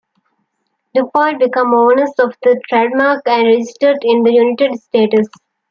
DuPont became owners of the trademark, and registered it in the United States.